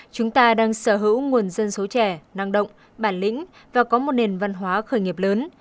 chúng ta đang sở hữu nguồn dân số trẻ năng động bản lĩnh và có một nền văn hóa khởi nghiệp lớn